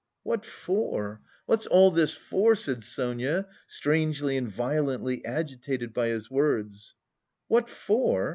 "What for? What's all this for?" said Sonia, strangely and violently agitated by his words. "What for?